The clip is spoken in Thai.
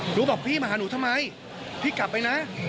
หนูบอกพี่มาหาหนูทำไมพี่กลับไปนะ